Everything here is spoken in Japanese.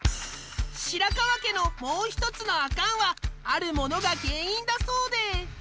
白川家のもう１つのアカンはあるものが原因だそうで。